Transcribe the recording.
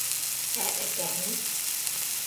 Ә әсәһен?